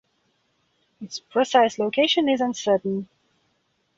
Its precise location is uncertain.